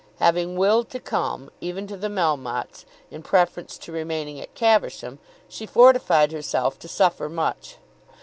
Having willed to come, even to the Melmottes, in preference to remaining at Caversham, she fortified herself to suffer much.